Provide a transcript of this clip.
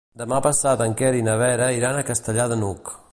Demà passat en Quer i na Vera iran a Castellar de n'Hug.